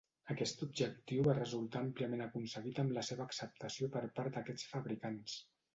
Aquest objectiu va resultar àmpliament aconseguit amb la seva acceptació per part d'aquests fabricants.